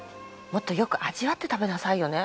もっとよく味わって食べなさいよね。